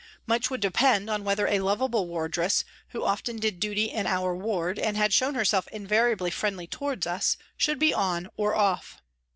Much would depend on whether a lovable wardress, who often did duty in our ward and had shown herself invariably friendly towards us, should be " on " or " off."